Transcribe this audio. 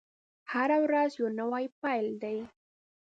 هره ورځ يو نوی پيل دی.